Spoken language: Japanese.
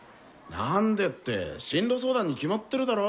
なんでって進路相談に決まってるだろ。